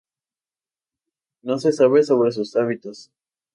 No se sabe sobre sus hábitos.